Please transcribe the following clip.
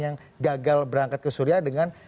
yang gagal berangkat ke suria dengan